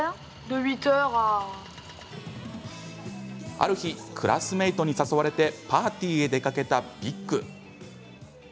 ある日、クラスメートに誘われてパーティーへ出かけたビック。